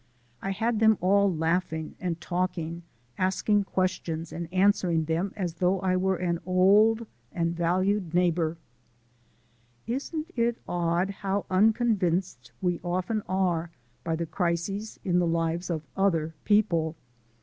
I had them all laughing and talking, asking questions and answering them as though I were an old and valued neighbour. Isn't it odd how unconvinced we often are by the crises in the lives of other people?